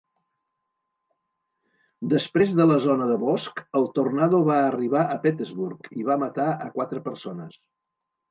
Després de la zona de bosc, el tornado va arribar a Petersburg, i va matar a quatre persones.